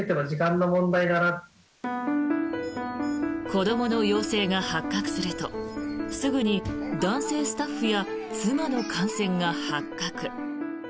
子どもの陽性が発覚するとすぐに男性スタッフや妻の感染が発覚。